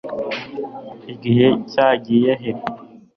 igihe cyagiye he